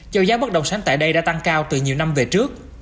do giá bất động sản tại đây đã tăng cao từ nhiều năm về trước